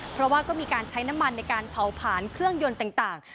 เพราะว่าก็มีการใช้น้ำมันในการเผาผ่านเครื่องยนต์ต่าง